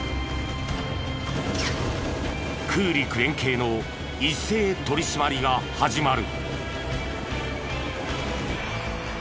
空陸連携の一斉取り締まりが始まる。